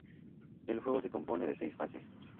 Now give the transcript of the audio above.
El juego se compone de seis fases.